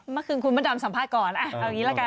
เมื่อคืนคุณพระดำสัมภาษณ์ก่อนเอาอย่างนี้ละกัน